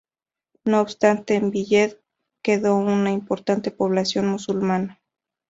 No obstante, en Villel quedó una importante población musulmana.